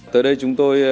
tới đây chúng tôi